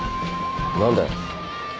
何だよ？